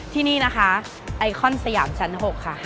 ที่นี่นะคะไอคอนสยามชั้น๖ค่ะ